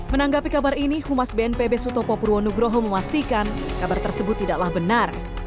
menanggapi kabar ini humas bnpb sutopo purwonugroho memastikan kabar tersebut tidaklah benar